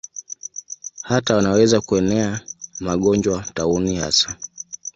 Hata wanaweza kuenea magonjwa, tauni hasa.